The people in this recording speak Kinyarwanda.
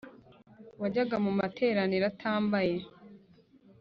Wajyaga mu materaniro atambaye